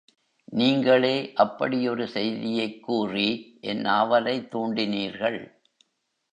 நீங்களோ அப்படி ஒரு செய்தியைக்கூறி என் ஆவலைத் தூண்டினீர்கள்.